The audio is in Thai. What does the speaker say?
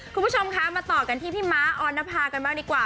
คุณผู้ชมคะมาต่อกันที่พี่ม้าออนภากันบ้างดีกว่า